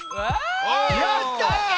やった！